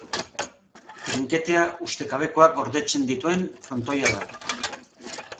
Trinketea ustekabekoak gordetzen dituen frontoia da.